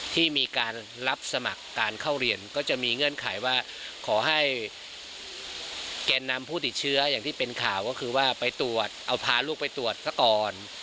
ที่มีการรับสมัครการเข้าเรียนก็จะมีเงื่อนไขว่าขอให้แกนนำผู้ติดเชื้ออย่างที่เป็นข่าวก็คือว่าไปตรวจเอาพาลูกไปตรวจซะก่อน